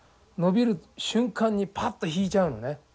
伸びる瞬間にパッと引いちゃうのね。